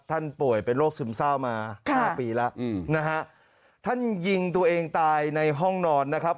ท่านป่วยโรคซึมเศร้ามา๕ปีแล้วท่ายิงตัวเองตายในห้องนอนนะครับ